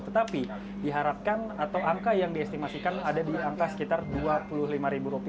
tetapi diharapkan atau angka yang diestimasikan ada di angka sekitar rp dua puluh lima